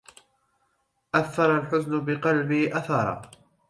أثر الحزن بقلبي أثرا